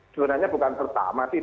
sebenarnya bukan pertama sih